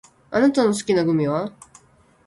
あなたの好きなグミは？